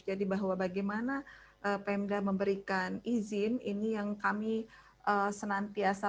bahwa bagaimana pemda memberikan izin ini yang kami senantiasa